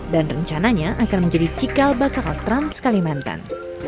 dan rencananya akan menjadi cikal bakal trans kalimantan